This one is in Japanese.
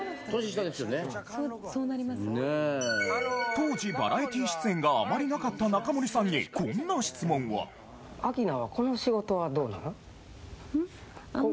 当時バラエティー出演があまりなかった中森さんにこんな質問を私から。